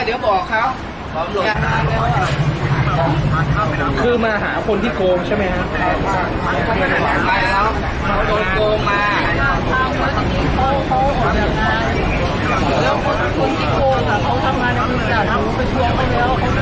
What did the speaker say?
อยู่ตรงไหนเลย